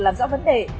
làm rõ vấn đề